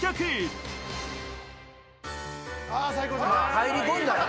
入り込んだらな。